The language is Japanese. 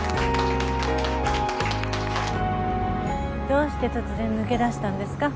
どうして突然抜け出したんですか？